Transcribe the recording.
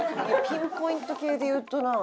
ピンポイント系でいうとな。